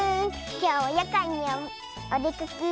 きょうはやかんにおでかけ。